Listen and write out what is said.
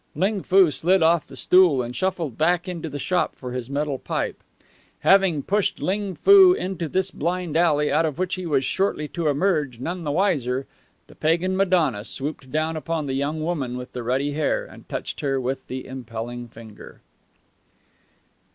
Ling Foo slid off the stool and shuffled back into the shop for his metal pipe. Having pushed Ling Foo into this blind alley, out of which he was shortly to emerge, none the wiser, the Pagan Madonna swooped down upon the young woman with the ruddy hair and touched her with the impelling finger.